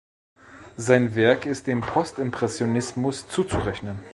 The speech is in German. Sein Werk ist dem Post-Impressionismus zuzurechnen.